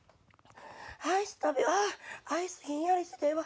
アイス食べようアイスひんやりしてええわ。